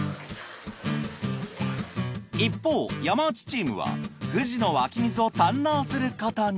一方山内チームは富士の湧き水を堪能することに。